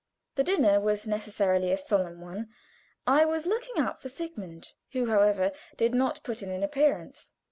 The dinner was necessarily a solemn one. I was looking out for Sigmund, who, however, did not put in an appearance.